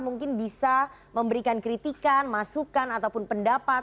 mungkin bisa memberikan kritikan masukan ataupun pendapat